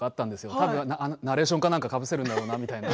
たぶんナレーションか何かかぶせるんだろうなと。